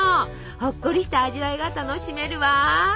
ほっこりした味わいが楽しめるわ。